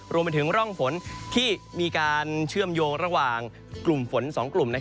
รวมไปถึงร่องฝนที่มีการเชื่อมโยงระหว่างกลุ่มฝน๒กลุ่ม